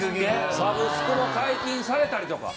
サブスクも解禁されたりとか。